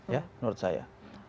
ya menurut saya